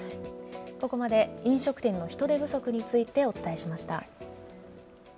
ここまで飲食店の人手不足についてお伝えしました。